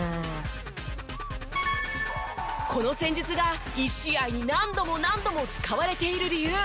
この戦術が一試合に何度も何度も使われている理由